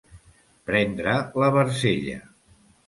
Prendre la barcella.